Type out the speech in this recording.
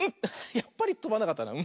やっぱりとばなかったな。